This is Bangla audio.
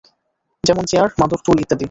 যেমন চেয়ার, মাদুর, টুল ইত্যাদি।